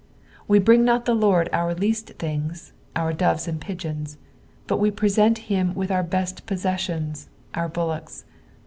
We bring not the Lord our Ifast things — oiu: doves and pigeons ; but we present him with our best possessions — our bullocks.